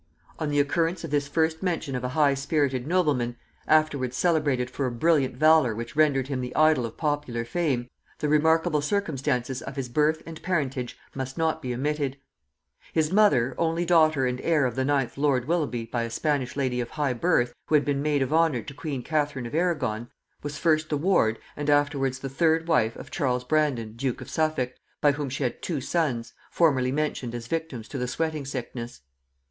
On the occurrence of this first mention of a high spirited nobleman, afterwards celebrated for a brilliant valor which rendered him the idol of popular fame, the remarkable circumstances of his birth and parentage must not be omitted. His mother, only daughter and heir of the ninth lord Willoughby by a Spanish lady of high birth who had been maid of honor to queen Catherine of Arragon, was first the ward and afterwards the third wife of Charles Brandon duke of Suffolk, by whom she had two sons, formerly mentioned as victims to the sweating sickness.